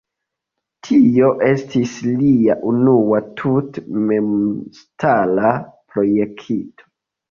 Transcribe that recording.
Tio estis lia unua tute memstara projekto.